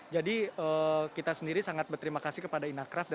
jadi kita sendiri sangat berterima kasih kepada inakraft